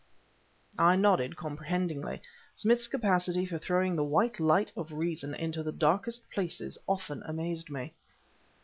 I nodded comprehendingly. Smith's capacity for throwing the white light of reason into the darkest places often amazed me.